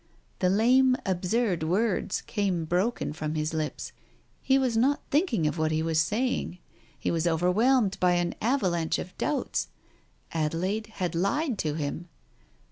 The lame, absurd words came broken from his lips. ... He was not thinking of what he was saying. He was overwhelmed by an avalanche of doubts. Adelaide had lied to him.